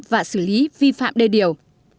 và xử lý vi phạm đê điều